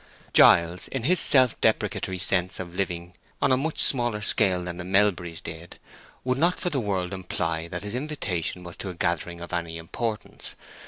Giles, in his self deprecatory sense of living on a much smaller scale than the Melburys did, would not for the world imply that his invitation was to a gathering of any importance.